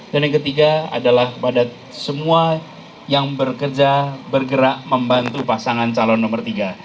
dan yang ketiga adalah kepada semua yang bekerja bergerak membantu pasangan calon nomor tiga